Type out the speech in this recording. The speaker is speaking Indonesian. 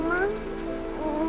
anak bernama ninding